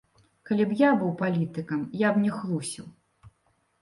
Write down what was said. Калі б я быў палітыкам, я б не хлусіў.